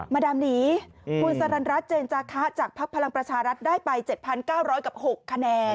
มาดามหนีคุณสรรรัฐเจนจาคะจากภักดิ์พลังประชารัฐได้ไป๗๙๐๐กับ๖คะแนน